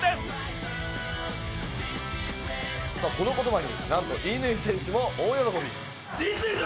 この言葉になんと乾選手も大喜び。